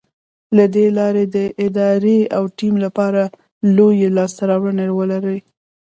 له دې لارې د ادارې او ټيم لپاره لویې لاسته راوړنې ولرئ.